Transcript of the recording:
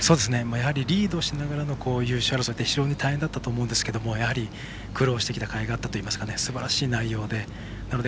やはりリードしながらの優勝争いって非常に大変だったと思うんですが苦労してきた甲斐があったといいますかすばらしい内容で。